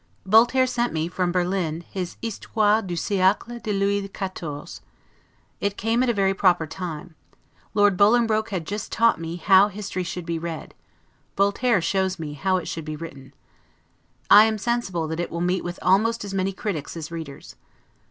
Voltaire sent me, from Berlin, his 'History du Siecle de Louis XIV. It came at a very proper time; Lord Bolingbroke had just taught me how history should be read; Voltaire shows me how it should be written. I am sensible that it will meet with almost as many critics as readers.